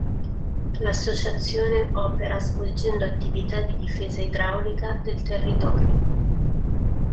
L’associazione opera svolgendo attività di difesa idraulica del territorio.